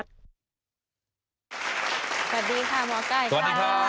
สวัสดีค่ะหมอไก้ค่ะสวัสดีครับ